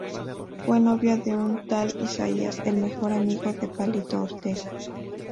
Fue novia de un tal Isaías, el mejor amigo de Palito Ortega.